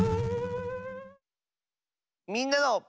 みんなの。